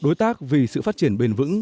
đối tác vì sự phát triển bền vững